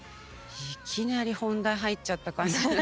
いきなり本題入っちゃった感じ。